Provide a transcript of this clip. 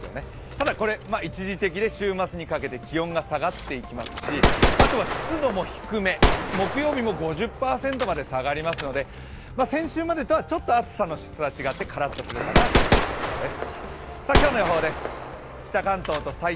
ただこれ、一時的で週末にかけて気温が下がっていきますしあとは湿度も低め、木曜日も５０％まで下がりますので先週までとはちょっと暑さの質が違ってカラッとするかなという感じです。